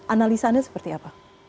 analisanya seperti apa